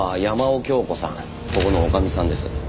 ここの女将さんです。